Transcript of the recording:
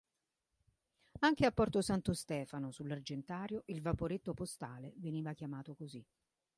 Anche a Porto Santo Stefano, sull'Argentario, il vaporetto postale veniva chiamato così.